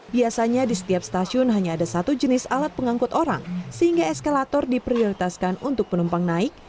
biasanya di setiap stasiun hanya ada satu jenis alat pengangkut orang sehingga eskalator diprioritaskan untuk penumpang naik